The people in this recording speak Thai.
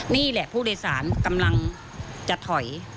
นี่แหละผู้โดยสารกำลังจะถอย